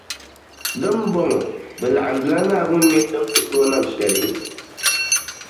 Dinibɔŋɔ, bɛ laɣindila Naawuni mini din ku tooi nam shεli?